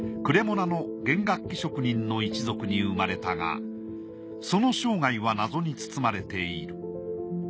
クレモナの弦楽器職人の一族に生まれたがその生涯は謎に包まれている。